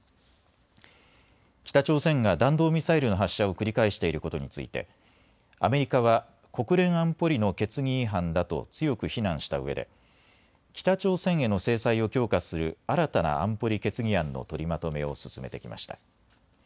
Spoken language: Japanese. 北朝鮮が弾道ミサイルの発射を繰り返していることについてアメリカは国連安保理の決議違反だと強く非難したうえで北朝鮮への制裁を強化する新たな安保理決議案の取りまとめを進めてきました。